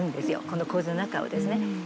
この洪水の中をですね。